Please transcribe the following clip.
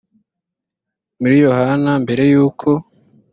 muri yohana mbere y uko